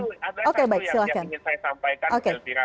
ada satu yang ingin saya sampaikan elvira